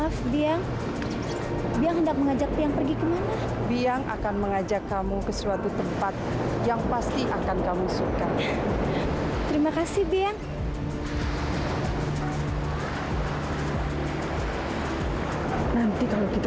sampai jumpa di video selanjutnya